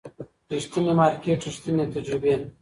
ریښتینی مارکیټ، ریښتینې تجربې